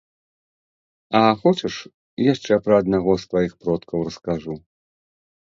А хочаш яшчэ пра аднаго з тваіх продкаў раскажу?